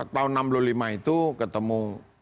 tahun enam puluh lima itu ketemu